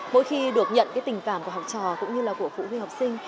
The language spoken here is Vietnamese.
mỗi khi được nhận cái tình cảm của học trò cũng như là của phụ huynh học sinh